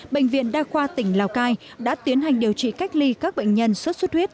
bệnh viện đa khoa tỉnh lào cai đã tiến hành điều trị cách ly các bệnh nhân xuất xuất huyết